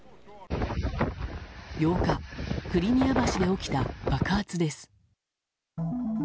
８日、クリミア橋で起きた爆発です。